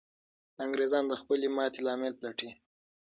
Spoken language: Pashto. انګریزان د خپلې ماتې لامل پلټي.